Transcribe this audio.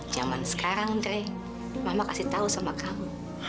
zaman sekarang mama kasih tahu sama kamu